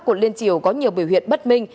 của liên triều có nhiều biểu hiện bất minh